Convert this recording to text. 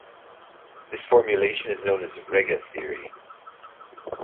This formulation is known as Regge theory.